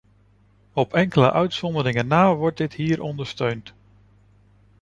Op enkele uitzonderingen na wordt dit hier ondersteund.